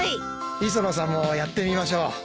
磯野さんもやってみましょう。